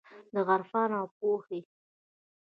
د عرفان اوپو هي